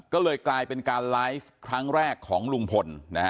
ก็เลยกลายเป็นการไลฟ์ครั้งแรกของลุงพล